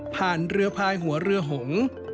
ผ่านเรือพลายหัวเรือหง